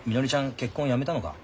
結婚やめたのか？